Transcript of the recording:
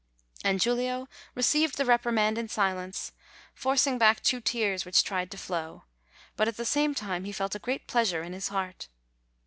And Giulio received the reprimand in silence, forcing back two tears which tried to flow ; but at the same time he felt a great pleasure in his heart.